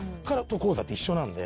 「高座」って一緒なんで。